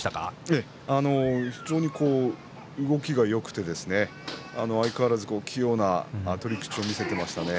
普通に動きがよくて相変わらず器用な取り口を見せていましたね。